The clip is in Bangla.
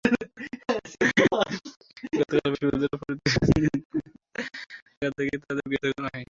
গতকাল বৃহস্পতিবার ফরিদগঞ্জের রামপুর বাজার এলাকা থেকে তাঁদের গ্রেপ্তার করা হয়।